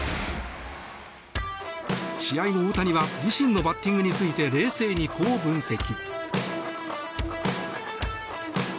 試合後、大谷は自身のバッティングについて冷静に、こう分析。